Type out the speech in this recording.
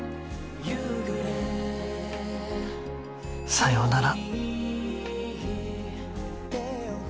さようなら